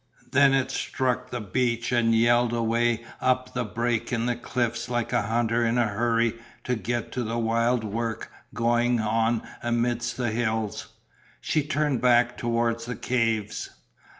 Then it struck the beach and yelled away up the break in the cliffs like a hunter in a hurry to get to the wild work going on amidst the hills. She turned back towards the caves.